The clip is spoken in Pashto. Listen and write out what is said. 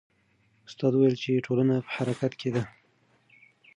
استاد وویل چې ټولنه په حرکت کې ده.